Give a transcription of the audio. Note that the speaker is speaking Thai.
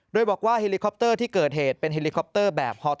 โดยบอกว่าเฮลิคอปเตอร์ที่เกิดเหตุเป็นเฮลิคอปเตอร์แบบฮอต